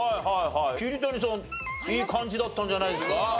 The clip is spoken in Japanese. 桐谷さんいい感じだったんじゃないですか？